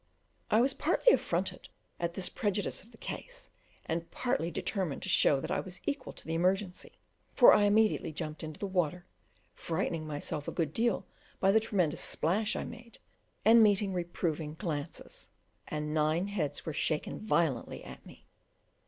I was partly affronted at this prejudgment of the case, and partly determined to show that I was equal to the emergency, for I immediately jumped into the water, frightening myself a good deal by the tremendous splash I made, and meeting reproving glances; and nine heads were shaken violently at me.